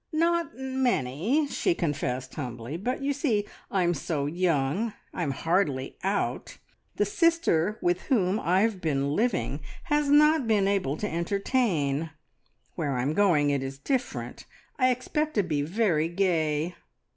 "Not many," she confessed humbly, "But, you see, I'm so young I'm hardly `out.' The sister with whom I've been living has not been able to entertain. Where I'm going it is different. I expect to be very gay."